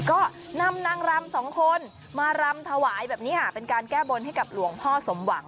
ก็นำนางรำสองคนมารำถวายแบบนี้ค่ะเป็นการแก้บนให้กับหลวงพ่อสมหวัง